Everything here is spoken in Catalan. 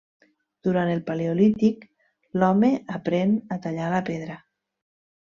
Durant el paleolític l'home aprèn a tallar la pedra.